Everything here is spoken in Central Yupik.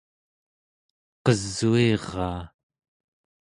qesuiraa